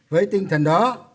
với tinh thần đó